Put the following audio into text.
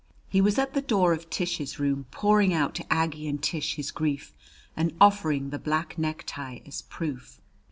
He was at the door of Tish's room, pouring out to Aggie and Tish his grief, and offering the black necktie as proof.